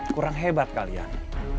kurang hebat kalian